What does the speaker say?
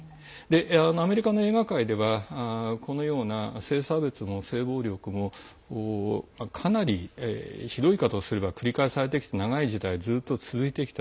アメリカの映画界ではこのような性差別も性暴力もかなりひどい言い方をすれば繰り返されてきた長い時代、ずっと続いてきた。